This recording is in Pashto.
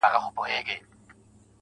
دا روڼه ډېــوه مي پـه وجـود كي ده.